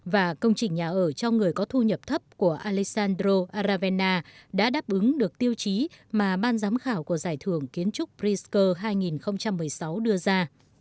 và công trình nhà ở cho người có thu nhập thấp của alexandro aravena đã đáp ứng được tiêu chí mà ban giám khảo của giải thưởng kiến trúc brisk hai nghìn một mươi sáu đưa ra